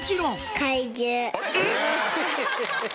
怪獣。